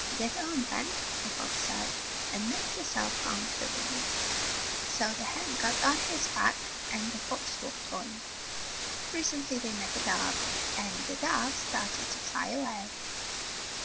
"Get on, then," the fox said, "and make yourself comfortable." So the hen got on his back and the fox walked on. Presently they met a dove, and the dove started to fly away.